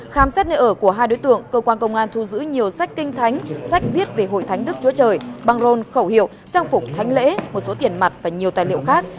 khám xét nơi ở của hai đối tượng cơ quan công an thu giữ nhiều sách kinh thánh sách viết về hội thánh đức chúa trời băng rôn khẩu hiệu trang phục thánh lễ một số tiền mặt và nhiều tài liệu khác